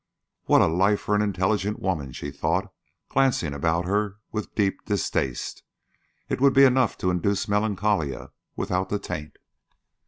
"What a life for an intelligent woman!" she thought, glancing about her with deep distaste. "It would be enough to induce melancholia without the 'taint.'"